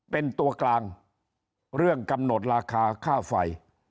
เป็นตัวกลางเรื่องกำหนดราคาค่าไฟ